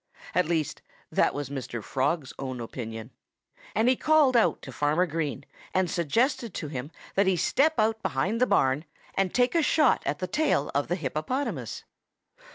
At least, that was Mr. Frog's own opinion. And he called to Farmer Green and suggested to him that he step out behind the barn and take a shot at the tail of the hippopotamus.